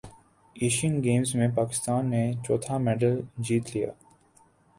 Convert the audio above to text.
Asian Games میں پاکستان نے چوتھا میڈل جیت لیا